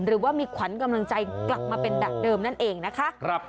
หรือว่ามีขวัญกำลังใจกลับมาเป็นแบบเดิมนั่นเองนะคะ